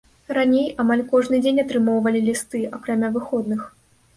Раней амаль кожны дзень атрымоўвалі лісты акрамя выходных.